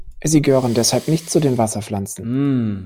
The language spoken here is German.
Sie gehören deshalb nicht zu den Wasserpflanzen.